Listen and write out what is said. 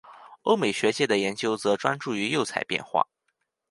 欧美学界的研究则专注于釉彩变化。